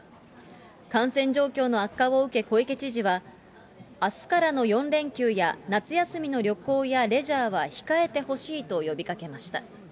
感染状況の悪化を受け、小池知事は、あすからの４連休や夏休みの旅行やレジャーは控えてほしいと呼びかけました。